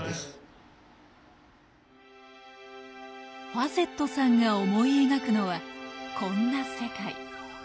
ファセットさんが思い描くのはこんな世界。